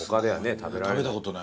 食べたことない。